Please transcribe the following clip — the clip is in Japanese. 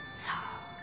さあ。